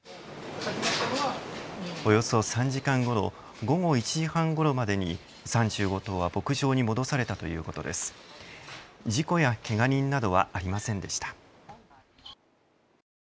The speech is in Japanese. およそ３時間後の午後１時半ごろまでに３５頭は牧場に戻されたということです。